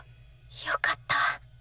よかった。